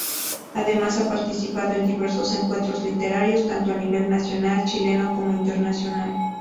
Además ha participado en diversos encuentros literarios tanto a nivel nacional chileno como internacional.